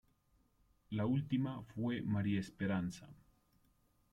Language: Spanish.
La última fue María Esperanza.